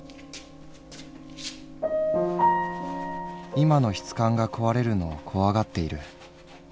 「今の質感が壊れるのを怖がっている。